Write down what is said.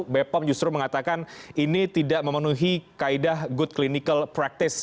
bepom justru mengatakan ini tidak memenuhi kaedah good clinical practice